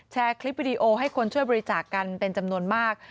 แชร์คลิปวิดีโอให้คนช่วยบริจาคกันเป็นจำนวนมาก